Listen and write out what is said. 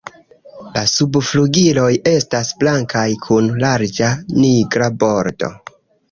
La subflugiloj estas blankaj kun larĝa nigra bordo.